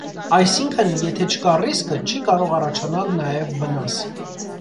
Այսինքն, եթե չկա ռիսկը, չի կարող առաջանալ նաև վնաս։